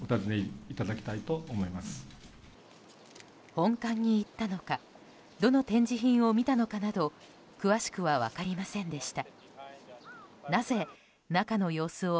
本館に行ったのかどの展示品を見たのかなど詳しくは分かりませんでした。